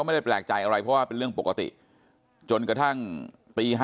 ไม่ได้แปลกใจอะไรเพราะว่าเป็นเรื่องปกติจนกระทั่งตี๕